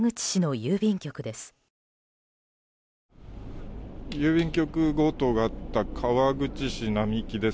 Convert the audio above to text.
郵便局強盗があった川口市並木です。